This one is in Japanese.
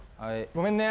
ごめんね。